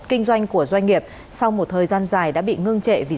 kinh doanh của doanh nghiệp sau một thời gian dài đã bị ngưng trệ vì dịch bệnh